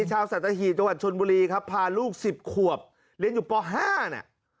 ชาวสัตหีบจังหวัดชนบุรีครับพาลูก๑๐ขวบเรียนอยู่ป๕เนี่ย